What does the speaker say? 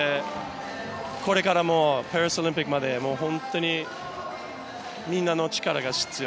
これからもパリオリンピックまで本当にみんなの力が必要。